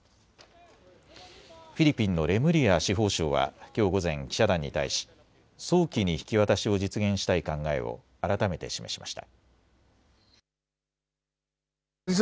フィリピンのレムリア司法相はきょう午前、記者団に対し早期に引き渡しを実現したい考えを改めて示しました。